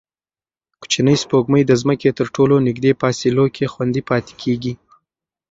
کوچنۍ سپوږمۍ د ځمکې تر ټولو نږدې فاصلو کې خوندي پاتې کېږي.